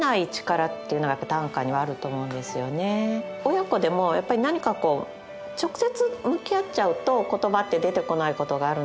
親子でもやっぱり何かこう直接向き合っちゃうと言葉って出てこないことがあるんですけれども